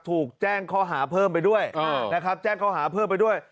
ถูกแจ้งข้อหาเพิ่มไปด้วยนะครับแจ้งข้อหาเพิ่มไปด้วย